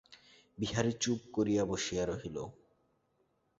বিহারী চুপ করিয়া বসিয়া রহিল।